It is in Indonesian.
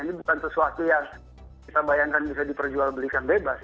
ini bukan sesuatu yang kita bayangkan bisa diperjualbelikan bebas